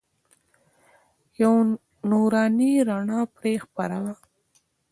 یوه نوراني رڼا پرې خپره وه.